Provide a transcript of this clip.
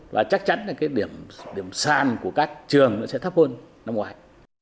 và chắc chắn là cái điểm sàn của các trường nó sẽ thấp hơn năm ngoái